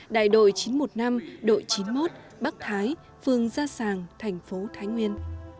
đại đội chín trăm một mươi năm đội chín mươi một bắc thái phương gia sàng thành phố thái nguyên